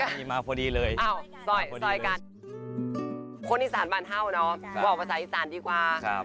ที่นี่คือท่าเมื่อเมืองี้นี่เหรอ